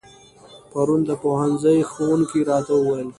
پرون د پوهنځي ښوونکي راته و ويل